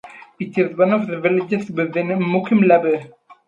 It is one of the villages within Mukim Labu.